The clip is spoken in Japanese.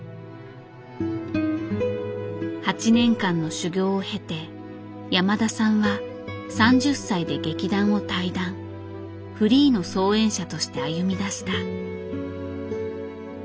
８年間の修業を経て山田さんは３０歳で劇団を退団フリーの操演者として歩みだした。